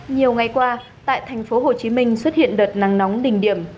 nhiều ngày qua tại tp hcm xuất hiện đợt nắng nóng đỉnh điểm